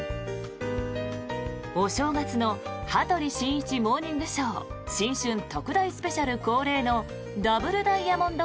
お正月の「羽鳥慎一モーニングショー新春特大スペシャル」恒例のダブルダイヤモンド